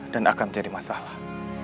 dan akan menjadi masalah